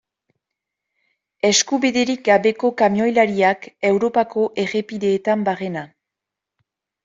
Eskubiderik gabeko kamioilariak Europako errepideetan barrena.